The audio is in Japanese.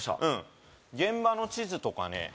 うん現場の地図とかね